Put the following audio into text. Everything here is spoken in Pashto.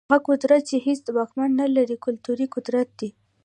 هغه قدرت چي هيڅ واکمن نلري، کلتوري قدرت دی.